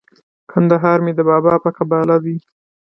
کندهار مي د بابا په قباله دی